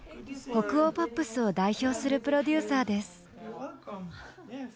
北欧ポップスを代表するプロデューサーです。